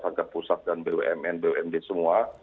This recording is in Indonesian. agar pusat dan bumn bumd semua